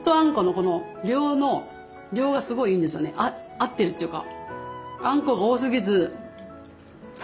合ってるっていうか。